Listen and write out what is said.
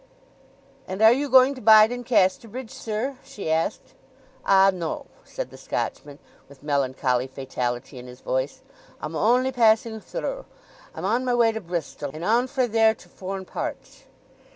"And are you going to bide in Casterbridge, sir?" she asked. "Ah—no!" said the Scotchman, with melancholy fatality in his voice, "I'm only passing thirrough! I am on my way to Bristol, and on frae there to foreign parts."